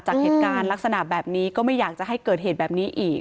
จากเหตุการณ์ลักษณะแบบนี้ก็ไม่อยากจะให้เกิดเหตุแบบนี้อีก